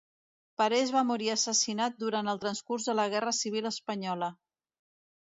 Parés va morir assassinat durant el transcurs de la Guerra Civil Espanyola.